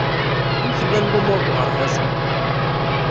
Amek llan lumuṛ deg uɣerbaz?